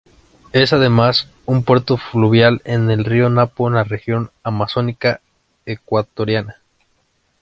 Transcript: Es además, un puerto fluvial en el río Napo en la Región Amazónica ecuatoriana.